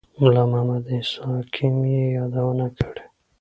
ملا محمد عیسی حکیم یې یادونه کړې.